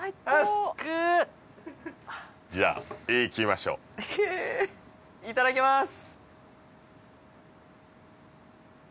じゃいきましょうええいただきます！